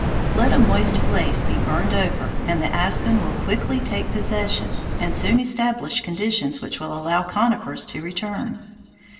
Let a moist place be burned over and the aspen will quickly take possession, and soon establish conditions which will allow conifers to return.